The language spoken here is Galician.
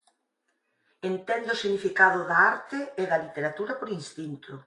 Entende o significado da arte e da literatura por instinto.